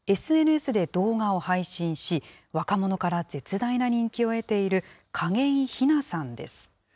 ＳＮＳで動画を配信し、若者から絶大な人気を得ている、景井ひなさんです。